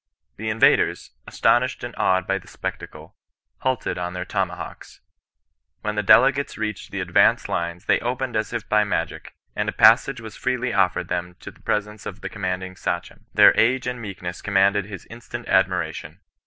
The invaders, astonished and awed by the spectacle, halted on their tomahawks. When the dele gates reached the advanced lines they opened as if by magic, and a passage was freely offered them to the pre sence of the commanding Sachem. Their age and meek ness conmianded his instant admiration.